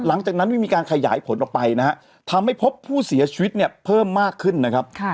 หลังจากนั้นไม่มีการขยายผลออกไปนะฮะทำให้พบผู้เสียชีวิตเนี่ยเพิ่มมากขึ้นนะครับ